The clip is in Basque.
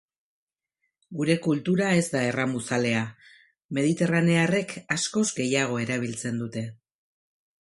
Gure kultura ez da erramuzalea, mediterranearrek askoz gehiago erabiltzen dute.